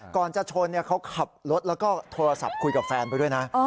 ก่อนจะชนเขาขับรถแล้วก็โทรศัพท์คุยกับแฟนไปด้วยนะ